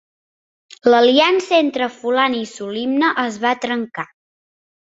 L'aliança entre Fulani i Solima es va trencar.